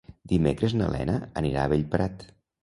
Dimecres na Lena anirà a Bellprat.